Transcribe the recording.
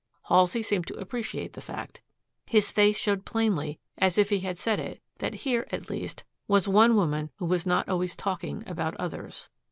Halsey seemed to appreciate the fact. His face showed plainly as if he had said it that here, at least, was one woman who was not always talking about others.